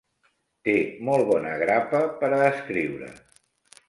Té molt bona grapa per a escriure.